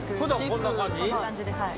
こんな感じではい。